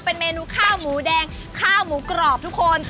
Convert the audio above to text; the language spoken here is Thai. เป็นเมนูข้าวหมูแดงข้าวหมูกรอบทุกคน